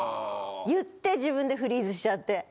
言って自分でフリーズしちゃって。